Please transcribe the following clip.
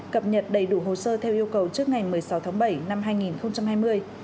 cập nhật đầy đủ hồ sơ theo yêu cầu trước ngày một mươi sáu tháng bảy năm hai nghìn hai mươi